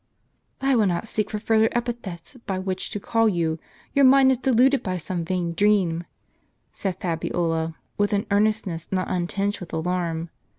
"I will not seek for further epithets by which to call you; your mind is deluded by some vain dream," said Fabiola, with an earnestness not untinged with alarm.